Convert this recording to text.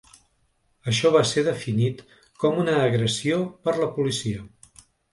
Això va ser definit com una ‘agressió’ per la policia.